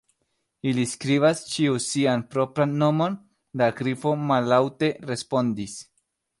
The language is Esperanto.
"Ili skribas ĉiu sian propran nomon," la Grifo mallaŭte respondis.